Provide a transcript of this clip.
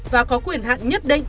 và có quyền hạn nhất định